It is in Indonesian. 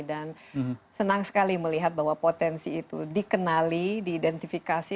dan senang sekali melihat bahwa potensi itu dikenali diidentifikasi